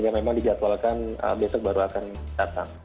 jadi memang dijadwalkan besok baru akan datang